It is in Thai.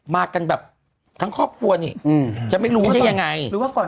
มากันแบบทั้งครอบครัวนี่อืมจะไม่รู้ได้ยังไงหรือว่าก่อน